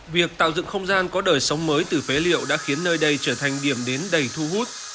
việc tạo dựng không gian có đời sống mới từ phế liệu đã khiến nơi đây trở thành điểm đến đầy thu hút